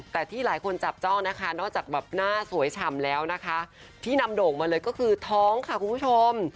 แต่ที่หลายคนจับจ้องนะคะนอกจากแบบหน้าสวยฉ่ำแล้วนะคะที่นำโด่งมาเลยก็คือท้องค่ะคุณผู้ชม